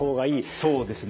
そうですね。